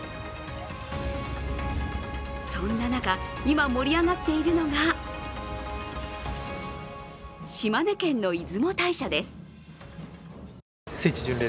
そんな中、今、盛り上がっているのが島根県の出雲大社です。